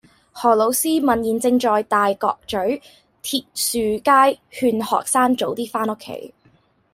何老師問現正在大角咀鐵樹街勸學生早啲返屋企